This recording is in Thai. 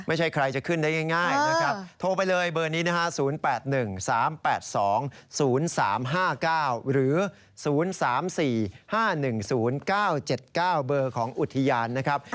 ไม่ใช่ใครจะขึ้นได้ง่ายนะครับโทรไปเลยเบอร์นี้นะฮะ๐๘๑๓๘๒๐๓๕๙หรือ๐๓๔๕๑๐๙๗๙เบอร์ของอุทยานนะครับ